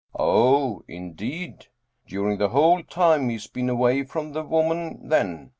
" Oh, indeed ! During the whole time he's been away from the woman then.